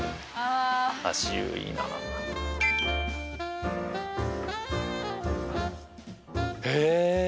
足湯いいなあへえ！